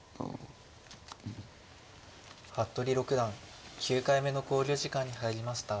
服部六段９回目の考慮時間に入りました。